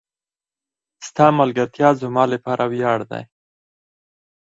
ستا ملګرتیا زما لپاره وياړ دی.